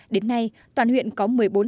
đến nay toàn huyện có một mươi bốn xã đạt chuẩn